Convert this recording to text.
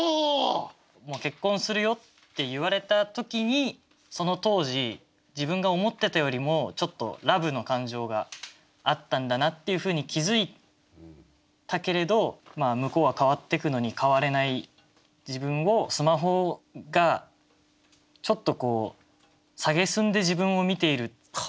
もう結婚するよって言われた時にその当時自分が思ってたよりもちょっとラブの感情があったんだなっていうふうに気付いたけれど向こうは変わってくのに変われない自分をスマホがちょっとこう蔑んで自分を見ているというか。